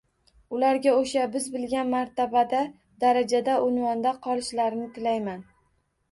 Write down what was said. Ularga oʻsha, biz bilgan martabada, darajada, unvonda qolishlarini tilayman!